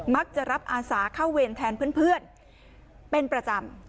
มักจะรับอาสาเข้าเวรแทนเพื่อนเป็นประจำ